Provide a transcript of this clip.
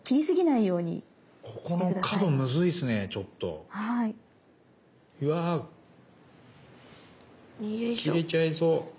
うわ切れちゃいそう。